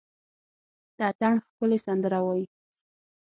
د اټن ښکلي سندره وايي،